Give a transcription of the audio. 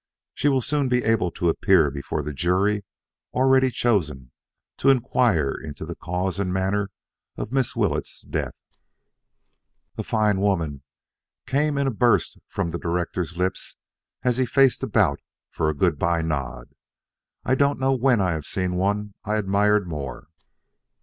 Soon she will be able to appear before the jury already chosen to inquire into the cause and manner of Miss Willetts' death." "A fine woman!" came in a burst from the director's lips as he faced about for a good bye nod. "I don't know when I have seen one I admired more."